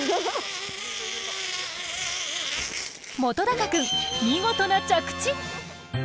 元君見事な着地！